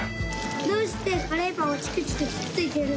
どうしてカレーパンをチクチクつっついてるんですか？